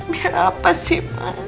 biar apa sih mas